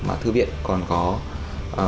mà thư viện còn có niềm tin